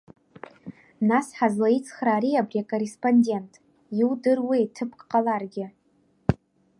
Нас ҳазлаицхраари абри акорреспондент, иудыруеи ҭыԥк ҟаларгьы?